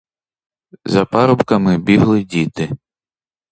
За парубками бігли діти.